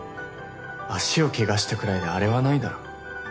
足をけがしたくらいであれはないだろ。